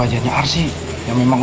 tante mau tunjukin ke kamu